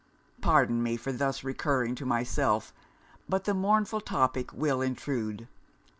Pardon me for thus recurring to myself: but the mournful topic will intrude!